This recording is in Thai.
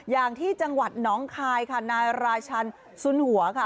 อย่างที่จังหวัดน้องคายค่ะนายราชันสุนหัวค่ะ